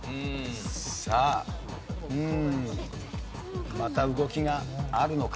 さあまた動きがあるのか？